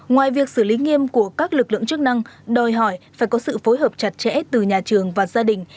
ngoài việc xử lý nghiêm của các lực lượng chức năng đòi hỏi phải có sự phối hợp chặt chẽ từ nhà trường và gia đình